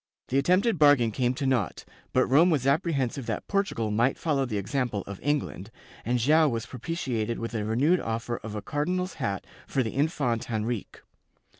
^ The attempted bargain came to naught, but Rome was apprehensive that Portu gal might follow the example of England, and Joao was propiti ated with a renewed offer of a cardinal's hat for the Infante Henrique.